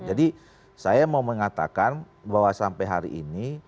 jadi saya mau mengatakan bahwa sampai hari ini